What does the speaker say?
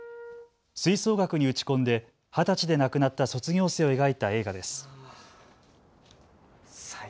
吹奏楽に打ち込んで二十歳で亡くなった卒業生を描いた映画です。